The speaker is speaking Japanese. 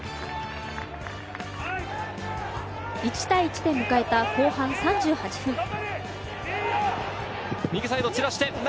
１対１で迎えた後半３８分。